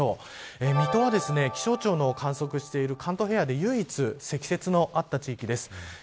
水戸は気象庁の観測している関東平野で唯一積雪があった地域です。